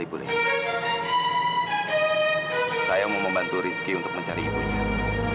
tempur saya mau membantu rizky untuk mencari ibunya bagaimana sebentar saja saya yakin rizky